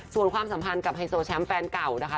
ส่วนความสัมพันธ์กับไฮโซแชมป์แฟนเก่านะคะ